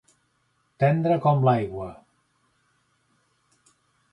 Tendre com l'aigua.